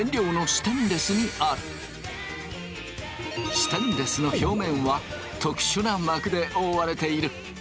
ステンレスの表面は特殊な膜で覆われている。